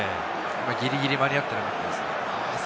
ギリギリ間に合ってなかったですね。